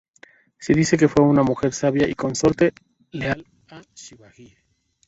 Se dice que fue una mujer sabia y una consorte leal a Shivaji.